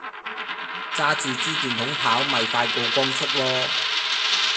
揸著枝電筒跑咪快過光速囉